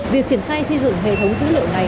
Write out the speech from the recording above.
việc triển khai xây dựng hệ thống dữ liệu này